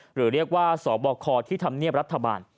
หรือเรียกว่าสบคที่ทำเนียบรัฐบาล